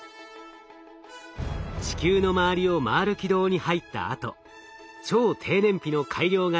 地球の周りを回る軌道に入ったあと超低燃費の改良型